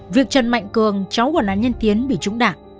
việc trần mạnh cường cháu của nạn nhân tiến bị trúng đạn